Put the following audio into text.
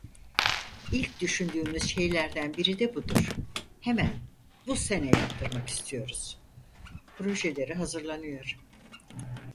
İlk düşündüğümüz şeylerden biri de budur, hemen bu sene yaptırmak istiyoruz, projeleri hazırlanıyor.